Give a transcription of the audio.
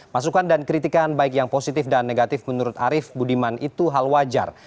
masukan dan kritikan baik yang positif dan negatif menurut arief budiman itu hal wajar